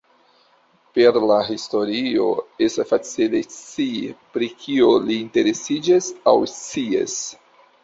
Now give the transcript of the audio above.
Per la historio, estas facile scii pri kio li interesiĝas aŭ scias.